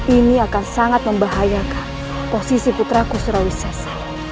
ini akan sangat membahayakan posisi putraku surawisasa